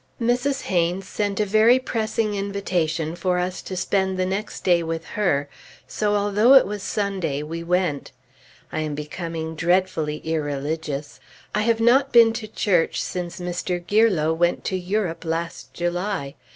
Mrs. Haynes sent a very pressing invitation for us to spend the next day with her, so, although it was Sunday, we went. I am becoming dreadfully irreligious. I have not been to church since Mr. Gierlow went to Europe last July.